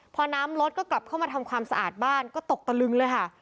พอน้ำลดก็กลับเข้ามาทำความสะอาดบ้านก็ตกตะลึงเลยค่ะ